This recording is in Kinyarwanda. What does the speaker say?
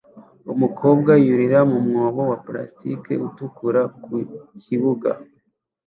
Umukobwa yurira mu mwobo wa plastiki utukura ku kibuga